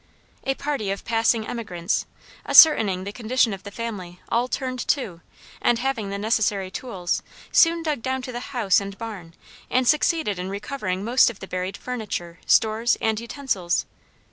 A party of passing emigrants, ascertaining the condition of the family, all turned to, and having the necessary tools, soon dug down to the house and barn, and succeeded in recovering most of the buried furniture, stores, and utensils.